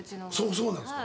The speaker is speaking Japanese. そうなんすか？